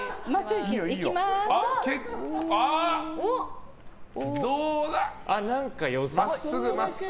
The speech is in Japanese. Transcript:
いきます。